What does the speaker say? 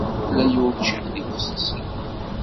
Acḥal aya ur ččiɣ tibexsisin.